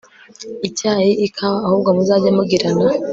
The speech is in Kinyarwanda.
icyayi ikawa ahubwo muzajye mugirana